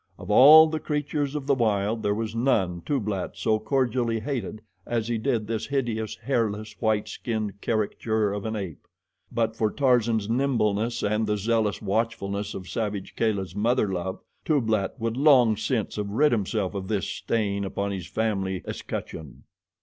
Of all the creatures of the wild, there was none Tublat so cordially hated as he did this hideous, hairless, white skinned, caricature of an ape. But for Tarzan's nimbleness, and the zealous watchfulness of savage Kala's mother love, Tublat would long since have rid himself of this stain upon his family escutcheon.